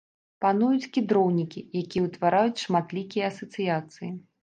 Пануюць кедроўнікі, якія ўтвараюць шматлікія асацыяцыі.